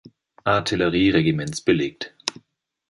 Artillerie-Regiments belegt.